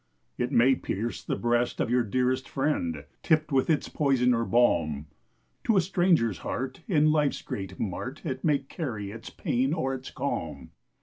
It may pierce the breast of your dearest friend, Tipped with its poison or balm; To a stranger's heart in life's great mart, It may carry its pain or its calm.